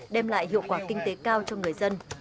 đem lại hiệu quả kinh tế cao cho người dân